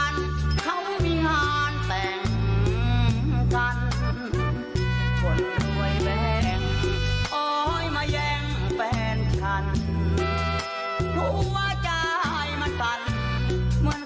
ใจจะขาดแล้วใจจะขาดแล้ว